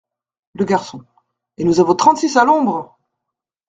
Le Garçon. — Et nous avons trente-six à l’ombre !